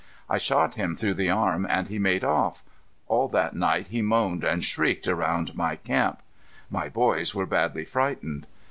I shot him through the arm and he made off. All that night he moaned and shrieked around my camp. My boys were badly frightened.